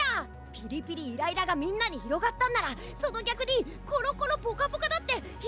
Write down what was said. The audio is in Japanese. ピリピリイライラがみんなにひろがったんならそのぎゃくにコロコロポカポカだってひろがるにきまってるぜよ！